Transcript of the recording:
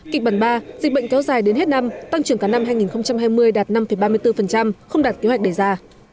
kịch bản ba dịch bệnh kéo dài đến hết năm tăng trưởng cả năm hai nghìn hai mươi đạt năm ba mươi bốn không đạt kế hoạch đề ra